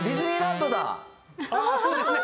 あっそうですね！